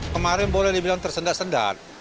kemarin boleh dibilang tersendat sendat